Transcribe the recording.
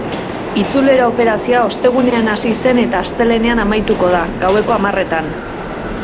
Itzulera operazioa ostegunean hasi zen eta astelehenean amaituko da, gaueko hamarretan.